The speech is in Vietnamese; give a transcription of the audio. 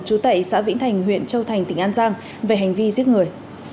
chú tẩy xã vĩnh thành huyện châu thành tỉnh an giang về hành vi giết người